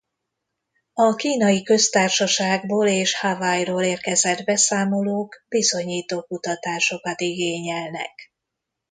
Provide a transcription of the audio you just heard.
A Kínai Köztársaságból és Hawaiiról érkezett beszámolók bizonyító kutatásokat igényelnek.